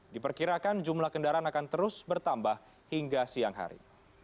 diperkirakan jumlah kendaraan akan terus bertambah hingga siang hari